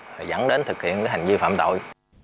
rồi dẫn đến thực hiện cái hành vi phạm tội